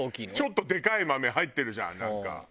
ちょっとでかい豆入ってるじゃんなんか。